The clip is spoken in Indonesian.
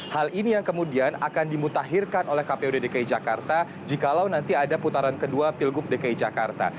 hal ini yang kemudian akan dimutahirkan oleh kpud dki jakarta jikalau nanti ada putaran kedua pilgub dki jakarta